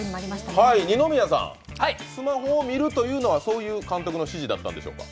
二宮さん、スマホを見るというのは、そういう監督の指示だったんでしょうか？